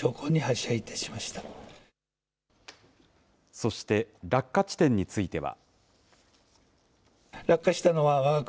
そして落下地点については。